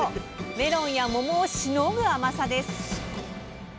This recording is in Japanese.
メロンや桃をしのぐ甘さです。